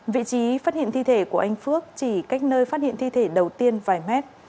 vị trí phát hiện thi thể của anh phước chỉ cách nơi phát hiện thi thể đầu tiên vài mét